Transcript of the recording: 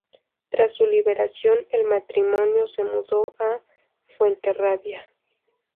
Tras su liberación, el matrimonio se mudó a Fuenterrabía.